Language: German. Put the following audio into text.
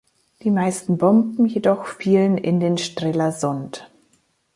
Die meisten Bomben jedoch fielen in den Strelasund.